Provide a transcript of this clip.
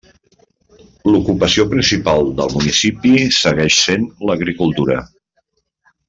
L'ocupació principal del municipi segueix sent l'agricultura.